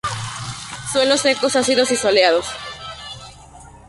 Suelos secos, ácidos y soleados.